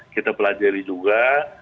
kita pelajari juga